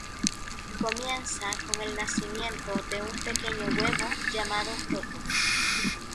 Comienza con el nacimiento de un pequeño huevo llamado Toto.